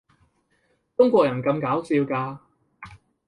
中國人咁搞笑㗎